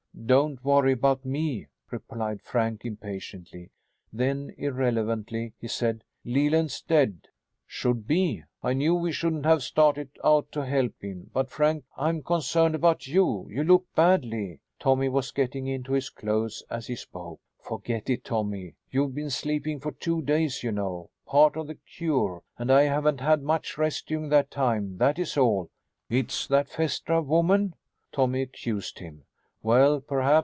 "Don't worry about me," replied Frank impatiently. Then, irrelevantly, he said "Leland's dead." "Should be. I knew we shouldn't have started out to help him. But, Frank, I'm concerned about you. You look badly." Tommy was getting into his clothes as he spoke. "Forget it, Tommy. You've been sleeping for two days, you know part of the cure and I haven't had much rest during that time. That is all." "It's that Phaestra woman," Tommy accused him. "Well, perhaps.